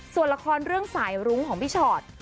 ส่วนละครเรื่องสายรุ้งของพี่ชอต